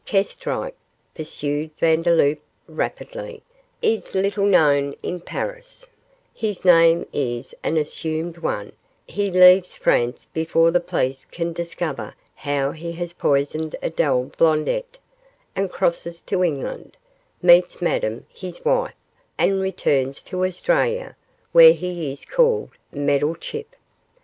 'Kestrike,' pursued Vandeloup, rapidly, 'is little known in Paris his name is an assumed one he leaves France before the police can discover how he has poisoned Adele Blondet, and crosses to England meets Madame, his wife, and returns to Australia, where he is called Meddlechip.